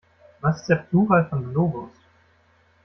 Was ist der Plural von Globus?